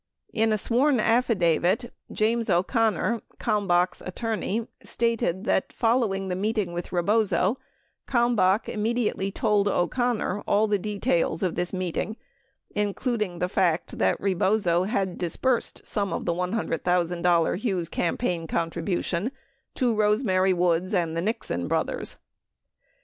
24 In a sworn affidavit, James O'Connor, Kalmbach's attorney, stated that following the meeting with Rebozo, Kalmbach immediately told O'Connor all of the details of this meeting including the fact that Rebozo had disbursed some of the $100,000 Hughes campaign con tribution to Rose Mary Woods and the Nixon brothers.